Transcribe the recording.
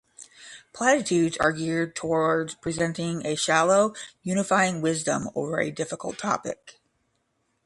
Platitudes are geared towards presenting a shallow, unifying wisdom over a difficult topic.